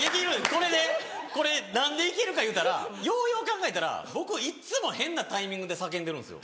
これねこれ何で行けるかいうたらようよう考えたら僕いっつも変なタイミングで叫んでるんですよ。